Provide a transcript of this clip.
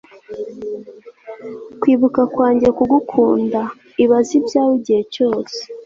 kwibuka kwanjye kugukunda; ibaza ibyawe igihe cyose